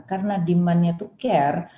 karena demandnya to care